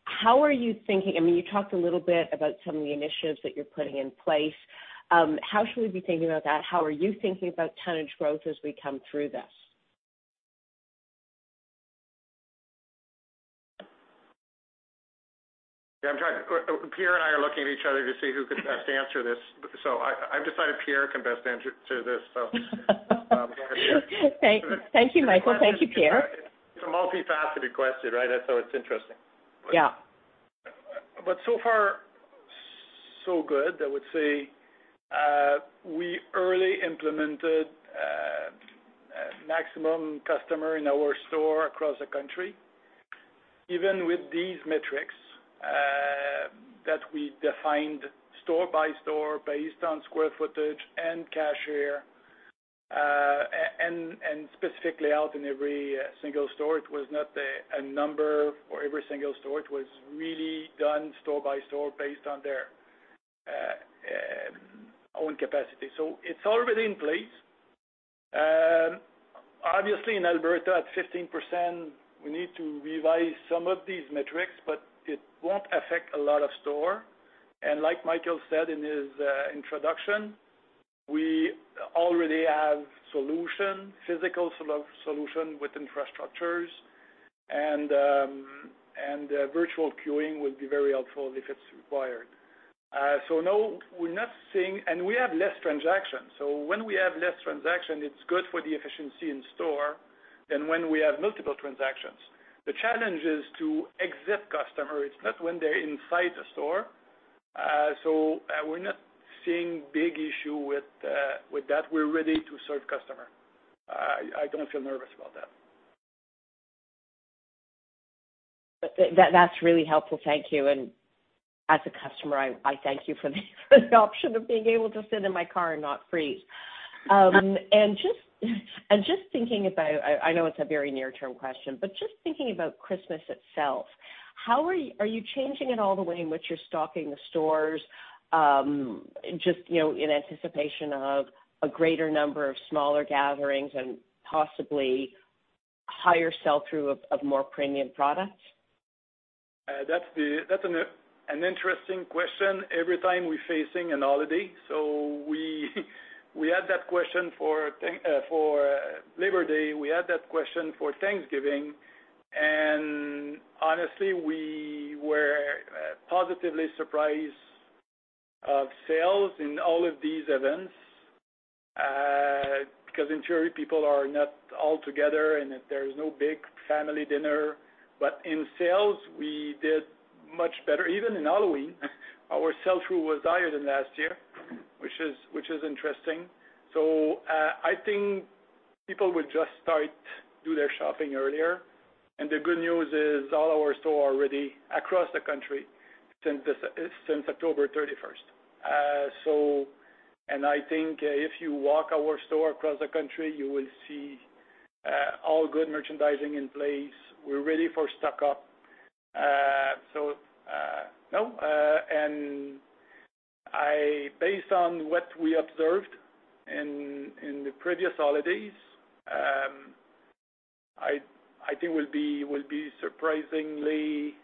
How are you thinking? I mean, you talked a little bit about some of the initiatives that you're putting in place. How should we be thinking about that? How are you thinking about tonnage growth as we come through this? Yeah, Pierre and I are looking at each other to see who could best answer this. I've decided Pierre can best answer this, so Pierre. Thank you, Michael. Thank you, Pierre. It's a multifaceted question, right? That's why it's interesting. Yeah. so far, so good. I would say we early implemented maximum customer in our store across the country, even with these metrics, that we defined store by store, based on square footage and cashier, and specifically out in every single store. It was not a number for every single store. It was really done store by store based on their own capacity. it's already in place. Obviously, in Alberta, at 15%, we need to revise some of these metrics, but it won't affect a lot of store. like Michael said in his introduction, we already have solution, physical solution with infrastructures, and virtual queuing will be very helpful if it's required. no, we're not seeing And we have less transactions. when we have less transaction, it's good for the efficiency in store than when we have multiple transactions. The challenge is to exit customer. It's not when they're inside the store. We're not seeing big issue with that. We're ready to serve customer. I don't feel nervous about that. That's really helpful. Thank you. As a customer, I thank you for the option of being able to sit in my car and not freeze. Just thinking about, I know it's a very near-term question, but just thinking about Christmas itself, are you changing at all the way in which you're stocking the stores, just in anticipation of a greater number of smaller gatherings and possibly higher sell-through of more premium products? That's an interesting question every time we're facing a holiday. We had that question for Labor Day, we had that question for Thanksgiving, and honestly, we were positively surprised of sales in all of these events, because in theory, people are not all together and there is no big family dinner. In sales, we did much better. Even in Halloween, our sell-through was higher than last year, which is interesting. I think people will just start do their shopping earlier, and the good news is all our store already across the country since October 31st. I think if you walk our store across the country, you will see all good merchandising in place. We're ready for stock up. No, and based on what we observed in the previous holidays, I think we'll be surprisingly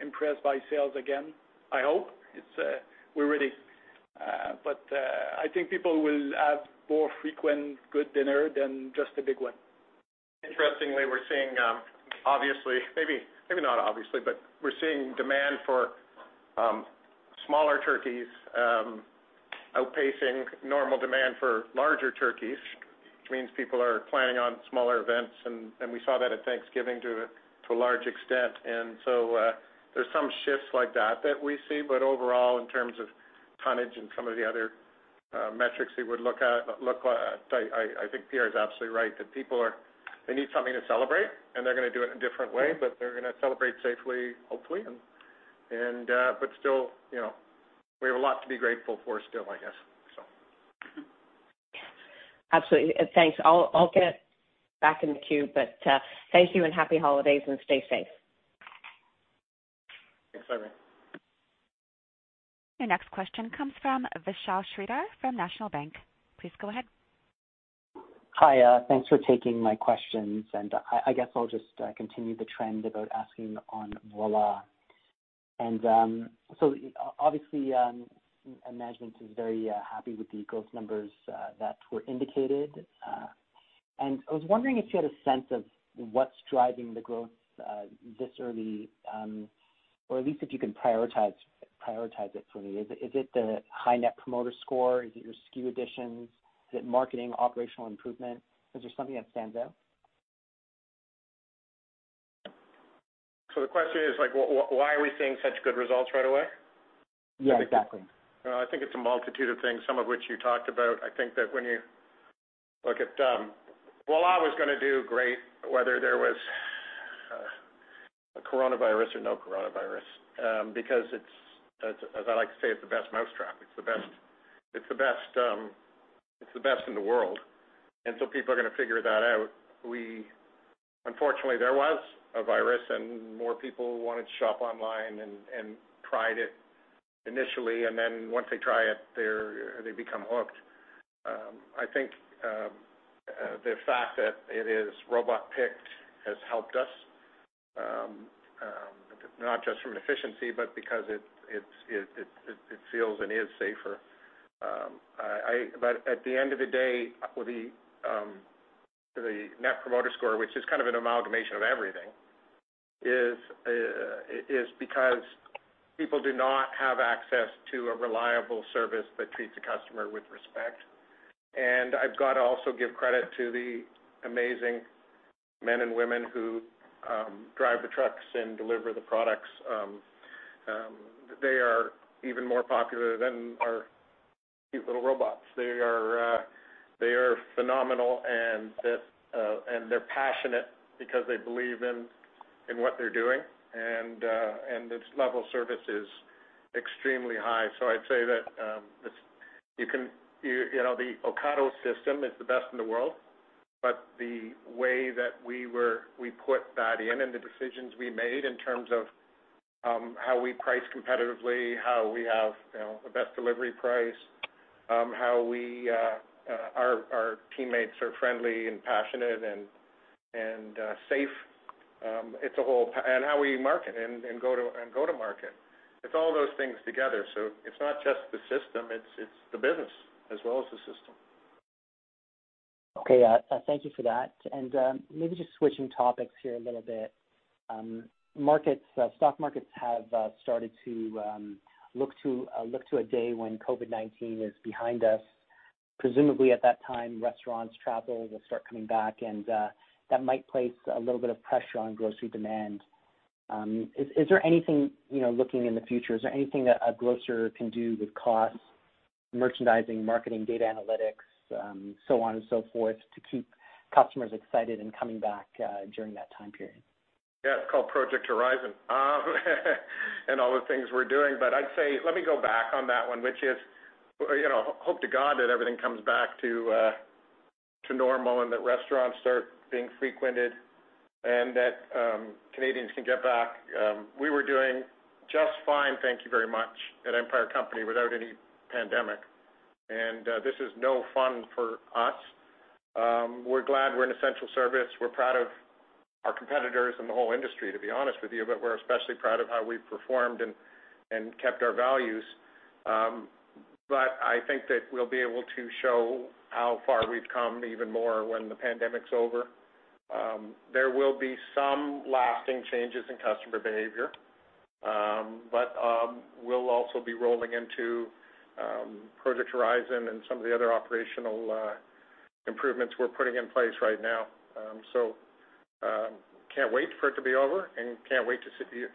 impressed by sales again, I hope. We're ready. I think people will have more frequent good dinner than just a big one. Interestingly, we're seeing demand for smaller turkeys outpacing normal demand for larger turkeys, which means people are planning on smaller events, and we saw that at Thanksgiving to a large extent. There's some shifts like that that we see, but overall, in terms of tonnage and some of the other metrics you would look at, I think Pierre is absolutely right, that people need something to celebrate, and they're going to do it in a different way, but they're going to celebrate safely, hopefully. Still, we have a lot to be grateful for still, I guess. Absolutely. Thanks. I'll get back in the queue, but thank you and happy holidays, and stay safe. Thanks, Irene. Your next question comes from Vishal Shreedhar from National Bank. Please go ahead. Hi. Thanks for taking my questions, and I guess I'll just continue the trend about asking on Voilà. Obviously, management is very happy with the growth numbers that were indicated. I was wondering if you had a sense of what's driving the growth this early, or at least if you can prioritize it for me. Is it the high Net Promoter Score? Is it your SKU additions? Is it marketing, operational improvement? Is there something that stands out? The question is, why are we seeing such good results right away? Yeah, exactly. I think it's a multitude of things, some of which you talked about. I think that when you look at Voilà was going to do great whether there was a coronavirus or no coronavirus, because it's, as I like to say, it's the best mousetrap. It's the best in the world, and so people are going to figure that out. Unfortunately, there was a virus, and more people wanted to shop online and tried it initially, and then once they try it, they become hooked. I think the fact that it is robot-picked has helped us, not just from an efficiency, but because it feels and is safer. At the end of the day, the Net Promoter Score, which is kind of an amalgamation of everything, is because people do not have access to a reliable service that treats the customer with respect. I've got to also give credit to the amazing men and women who drive the trucks and deliver the products. They are even more popular than our cute little robots. They are phenomenal, and they're passionate because they believe in what they're doing, and this level of service is extremely high. I'd say that the Ocado system is the best in the world, but the way that we put that in and the decisions we made in terms of how we price competitively, how we have the best delivery price, how our teammates are friendly and passionate and safe, and how we market and go to market. It's all those things together. It's not just the system, it's the business as well as the system. Okay. Thank you for that. Maybe just switching topics here a little bit. Stock markets have started to look to a day when COVID-19 is behind us. Presumably, at that time, restaurants, travel will start coming back, and that might place a little bit of pressure on grocery demand. Looking in the future, is there anything that a grocer can do with costs, merchandising, marketing, data analytics, so on and so forth, to keep customers excited and coming back during that time period? Yeah, it's called Project Horizon and all the things we're doing. I'd say, let me go back on that one, which is, hope to God that everything comes back to normal and that restaurants start being frequented and that Canadians can get back. We were doing just fine, thank you very much, at Empire Company without any pandemic. This is no fun for us. We're glad we're an essential service. We're proud of our competitors and the whole industry, to be honest with you, but we're especially proud of how we've performed and kept our values. I think that we'll be able to show how far we've come even more when the pandemic's over. There will be some lasting changes in customer behavior, but we'll also be rolling into Project Horizon and some of the other operational improvements we're putting in place right now. Can't wait for it to be over and can't wait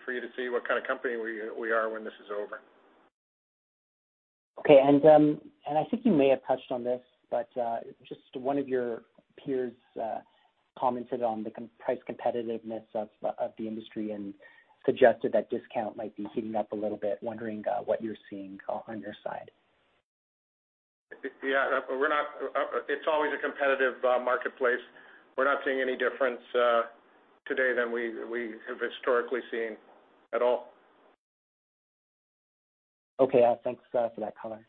for you to see what kind of company we are when this is over. Okay. I think you may have touched on this, but just one of your peers commented on the price competitiveness of the industry and suggested that discount might be heating up a little bit, wondering what you're seeing on your side. Yeah. It's always a competitive marketplace. We're not seeing any difference today than we have historically seen at all. Okay. Thanks for that color.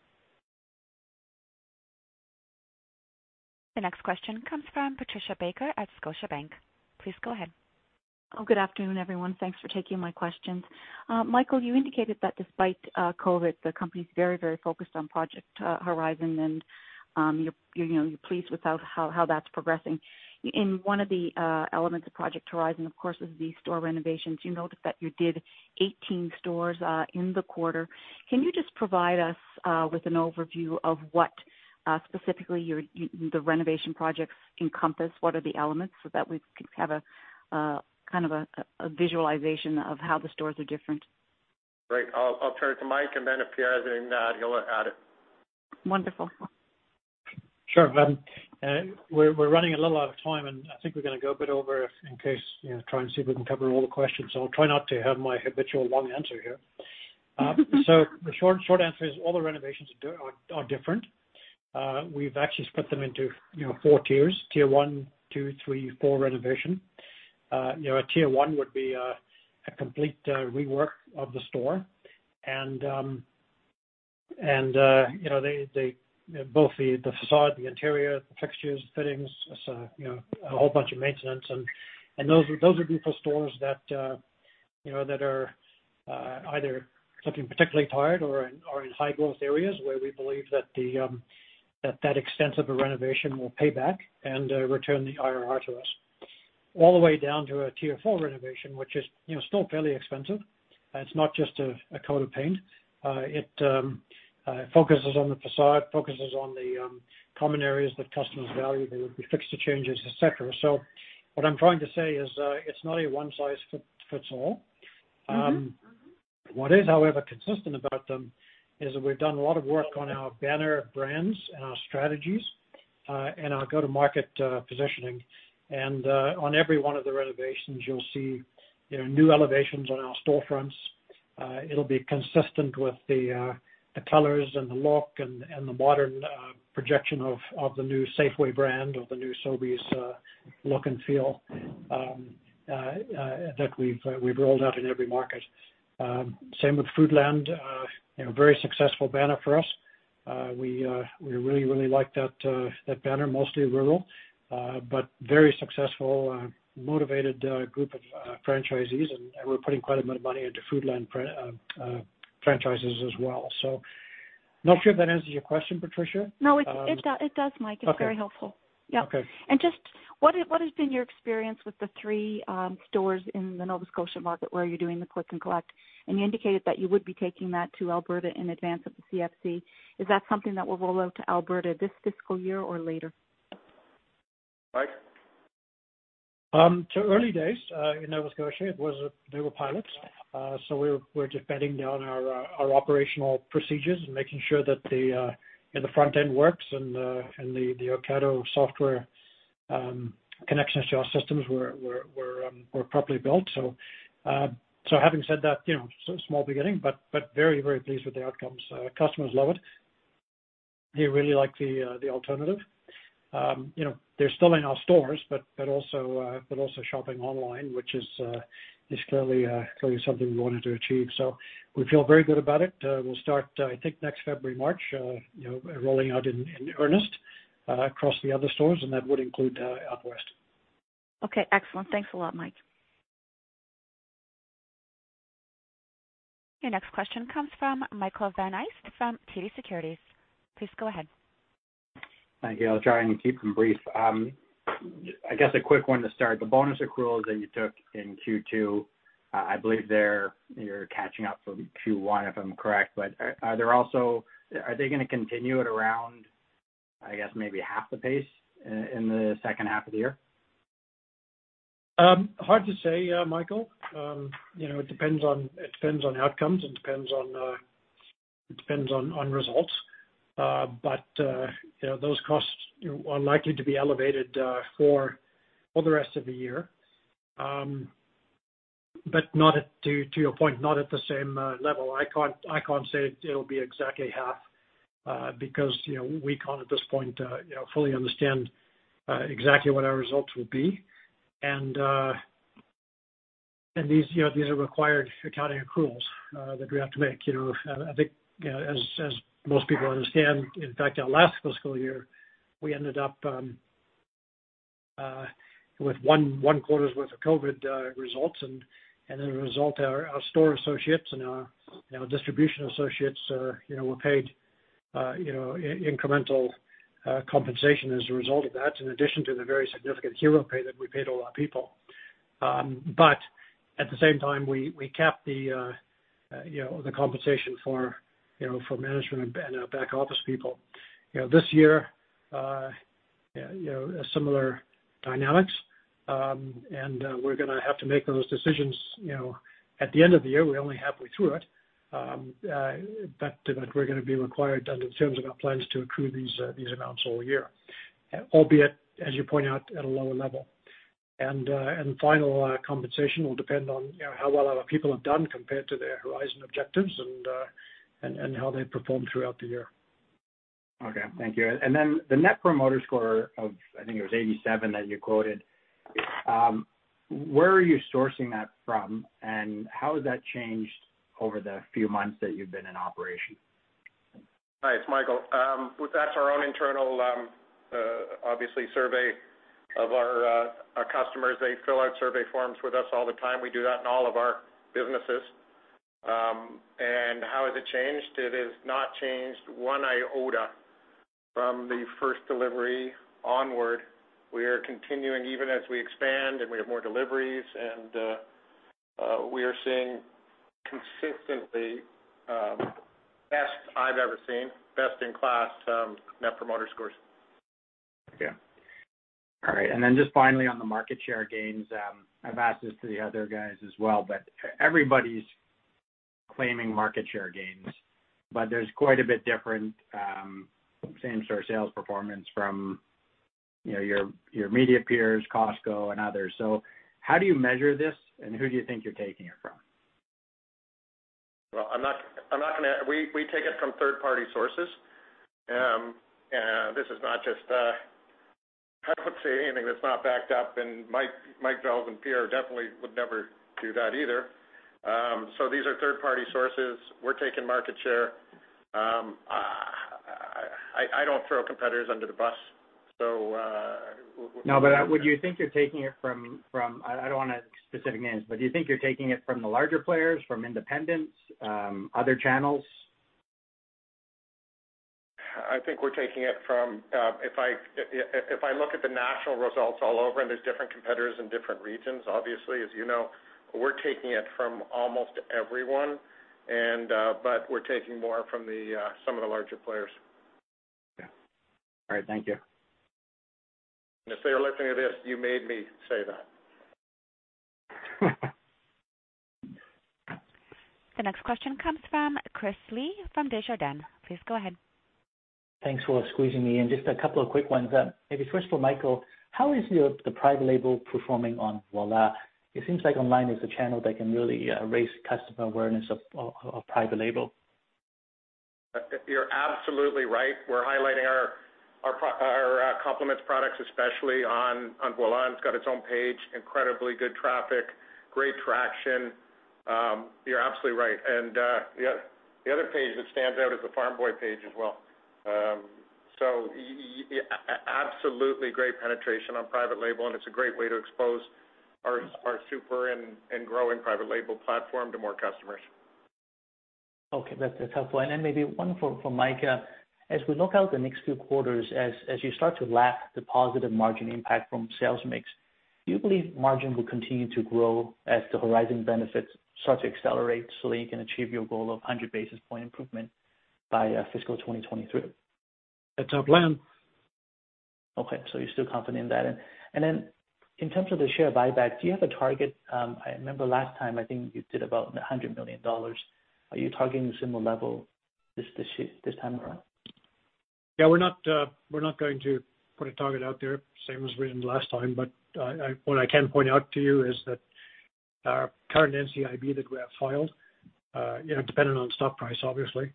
The next question comes from Patricia Baker at Scotiabank. Please go ahead. Good afternoon, everyone. Thanks for taking my questions. Michael, you indicated that despite COVID, the company's very focused on Project Horizon and you're pleased with how that's progressing. In one of the elements of Project Horizon, of course, is the store renovations. You noted that you did 18 stores in the quarter. Can you just provide us with an overview of what specifically the renovation projects encompass? What are the elements so that we can have a kind of a visualization of how the stores are different? Great. I'll turn it to Mike and then if Pierre has anything to add, he'll add it. Wonderful. Sure. We're running a little out of time, and I think we're going to go a bit over if in case, try and see if we can cover all the questions. I'll try not to have my habitual long answer here. The short answer is all the renovations are different. We've actually split them into four tiers. Tier 1, 2, 3, 4 renovation. A tier 1 would be a complete rework of the store. both the facade, the interior, the fixtures, fittings, a whole bunch of maintenance, and those would be for stores that are either looking particularly tired or are in high growth areas where we believe that extensive a renovation will pay back and return the IRR to us. All the way down to a tier 4 renovation, which is still fairly expensive. It's not just a coat of paint. It focuses on the facade, focuses on the common areas that customers value. There would be fixture changes, et cetera. what I'm trying to say is, it's not a one-size-fits-all. What is, however, consistent about them is that we've done a lot of work on our banner brands and our strategies, and our go-to-market positioning. on every one of the renovations, you'll see new elevations on our storefronts. It'll be consistent with the colors and the look and the modern projection of the new Safeway brand or the new Sobeys look and feel that we've rolled out in every market. Same with Foodland, very successful banner for us. We really, really like that banner. Mostly rural, but very successful, motivated group of franchisees, and we're putting quite a bit of money into Foodland franchises as well. not sure if that answers your question, Patricia. No, it does, Mike. Okay. It's very helpful. Yep. Okay. Just what has been your experience with the three stores in the Nova Scotia market where you're doing the click and collect, and you indicated that you would be taking that to Alberta in advance of the CFC. Is that something that will roll out to Alberta this fiscal year or later? Mike? Early days in Nova Scotia. They were pilots, so we're just bedding down our operational procedures and making sure that the front end works and the Ocado software connections to our systems were properly built. Having said that, small beginning, but very pleased with the outcomes. Customers love it. They really like the alternative. They're still in our stores, but also shopping online, which is clearly something we wanted to achieve. We feel very good about it. We'll start, I think, next February, March, rolling out in earnest across the other stores, and that would include out west. Okay, excellent. Thanks a lot, Mike. Your next question comes from Michael Van Aelst from TD Securities. Please go ahead. Thank you. I'll try and keep them brief. I guess a quick one to start. The bonus accruals that you took in Q2, I believe there you're catching up from Q1, if I'm correct. Are they going to continue at around, I guess maybe half the pace in the second half of the year? Hard to say, Michael. It depends on outcomes and it depends on results. Those costs are likely to be elevated for the rest of the year. To your point, not at the same level. I can't say it'll be exactly half, because we can't, at this point fully understand exactly what our results will be. These are required accounting accruals that we have to make. I think as most people understand, in fact, our last fiscal year, we ended up with one quarter's worth of COVID results, and as a result, our store associates and our distribution associates were paid incremental compensation as a result of that, in addition to the very significant hero pay that we paid a lot of people. At the same time, we capped the compensation for management and our back office people. This year, similar dynamics, and we're gonna have to make those decisions at the end of the year. We're only halfway through it. We're gonna be required under the terms of our plans to accrue these amounts all year, albeit, as you point out, at a lower level. Final compensation will depend on how well our people have done compared to their horizon objectives and how they've performed throughout the year. Okay. Thank you. The net promoter score of, I think it was 87 that you quoted. Where are you sourcing that from, and how has that changed over the few months that you've been in operation? Hi, it's Michael. That's our own internal survey of our customers. They fill out survey forms with us all the time. We do that in all of our businesses. How has it changed? It has not changed one iota from the first delivery onward. We are continuing, even as we expand and we have more deliveries, and we are seeing consistently, best I've ever seen, best in class net promoter scores. Yeah. All right, just finally on the market share gains, I've asked this to the other guys as well, but there's quite a bit different same store sales performance from your immediate peers, Costco and others. How do you measure this, and who do you think you're taking it from? Well, we take it from third party sources. I wouldn't say anything that's not backed up, and Michael Vels and Pierre definitely would never do that either. these are third party sources. We're taking market share. I don't throw competitors under the bus. No, would you think you're taking it from, I don't want specific names, but do you think you're taking it from the larger players, from independents, other channels? I think we're taking it from, if I look at the national results all over, and there's different competitors in different regions, obviously, as you know. We're taking it from almost everyone, but we're taking more from some of the larger players. Yeah. All right, thank you. If they are listening to this, you made me say that. The next question comes from Chris Li from Desjardins. Please go ahead. Thanks for squeezing me in. Just a couple of quick ones. Maybe first for Michael, how is the private label performing on Voilà? It seems like online is a channel that can really raise customer awareness of private label. You're absolutely right. We're highlighting our Compliments products, especially on Voilà. It's got its own page, incredibly good traffic, great traction. You're absolutely right. The other page that stands out is the Farm Boy page as well. Absolutely great penetration on private label, and it's a great way to expose our super and growing private label platform to more customers. Okay. That's helpful. Maybe one for Mike. As we look out the next few quarters, as you start to lap the positive margin impact from sales mix, do you believe margin will continue to grow as the Horizon benefits start to accelerate so that you can achieve your goal of 100 basis point improvement by fiscal 2023? That's our plan. Okay, you're still confident in that. In terms of the share buyback, do you have a target? I remember last time, I think you did about 100 million dollars. Are you targeting a similar level this time around? Yeah, we're not going to put a target out there, same as we did last time. What I can point out to you is that our current NCIB that we have filed, depending on stock price, obviously,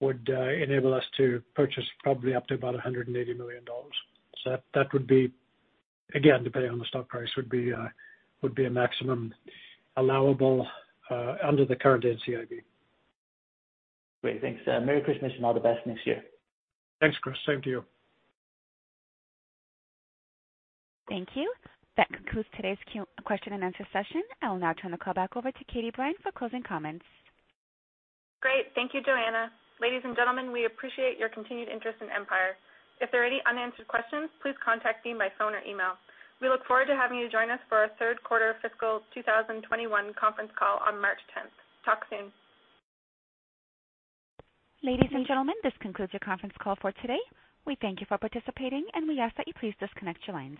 would enable us to purchase probably up to about 180 million dollars. That would be, again, depending on the stock price, would be a maximum allowable under the current NCIB. Great. Thanks. Merry Christmas and all the best next year. Thanks, Chris. Same to you. Thank you. That concludes today's question and answer session. I will now turn the call back over to Katie Brine for closing comments. Great. Thank you, Joanna. Ladies and gentlemen, we appreciate your continued interest in Empire. If there are any unanswered questions, please contact me by phone or email. We look forward to having you join us for our third quarter fiscal 2021 conference call on March 10th. Talk soon. Ladies and gentlemen, this concludes your conference call for today. We thank you for participating, and we ask that you please disconnect your lines.